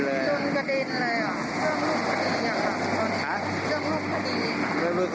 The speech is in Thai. แต่ว่ารถนั่นมาเร็วมากค่ะ